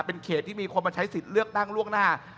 เป็นเขตที่มีคนมาใช้สิทธิ์เลือกตั้งล่วงหน้า